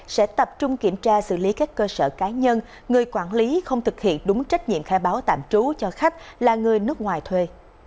sẽ tập trung kiểm tra xử lý các cơ sở cá nhân người quản lý không thực hiện đúng trách nhiệm khai báo tạm trú cho khách là người nước ngoài thuê